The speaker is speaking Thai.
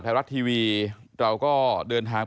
ไทยรัฐทีวีเราก็เดินทาง